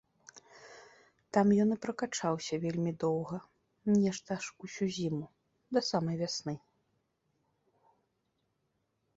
Там ён і пракачаўся вельмі доўга, нешта аж усю зіму, да самай вясны.